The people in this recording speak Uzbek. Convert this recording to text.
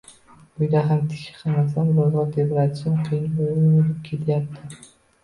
Uyda ham tikish qilmasam, ro`zg`or tebratishim qiyin bo`lib ketayapti